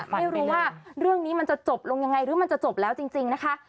ไม่รู้ว่าเรื่องนี้มันจะจบลงยังไงหรือมันจะจบแล้วจริงนะคะ